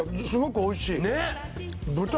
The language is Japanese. すごくおいしいねっ！